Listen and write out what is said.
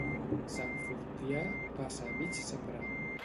Sant Fortià, passa a mig sembrar.